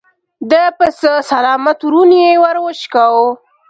د پسه سلامت ورون يې ور وشکاوه.